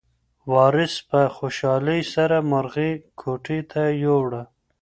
وارث په خوشحالۍ سره مرغۍ کوټې ته یووړه.